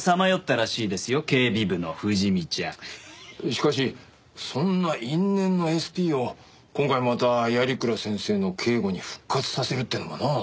しかしそんな因縁のＳＰを今回また鑓鞍先生の警護に復活させるってのもなあ。